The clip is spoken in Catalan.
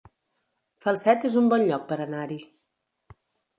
Falset es un bon lloc per anar-hi